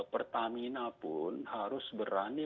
pertamina pun harus berani